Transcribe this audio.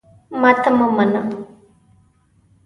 ماته مه منه !